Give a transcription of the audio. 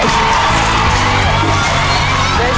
อีกแค่๑๕กรัมนะครับ